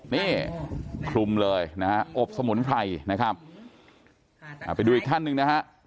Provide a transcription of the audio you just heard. เนี่ยคลุมเลยนะครับอบสมุนไพรครับไปดูอีกฟังหนึ่งนะครับ